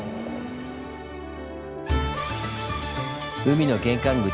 海の玄関口